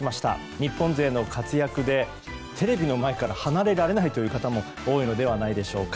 日本勢の活躍でテレビの前から離れられないという方も多いのではないでしょうか。